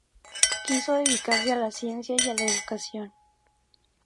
Quiso dedicarse a la ciencia y a la educación.